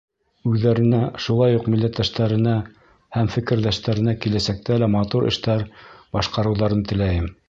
Үҙҙәренә, шулай уҡ милләттәштәренә һәм фекерҙәштәренә киләсәктә лә матур эштәр башҡарыуҙарын теләйем.